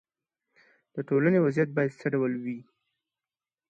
د ټولنې وضعیت باید څه ډول وي.